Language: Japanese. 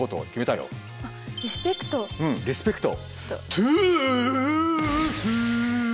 うんリスペクト。